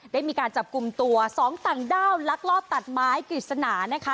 ได้มีการจับกลุ่มตัว๒ต่างด้าวลักลอบตัดไม้กฤษณานะคะ